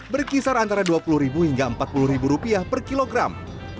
berkisar antara rp dua puluh hingga rp empat puluh per kilogram